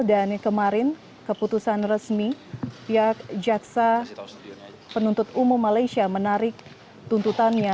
dan kemarin keputusan resmi pihak jaksa penuntut umum malaysia menarik tuntutan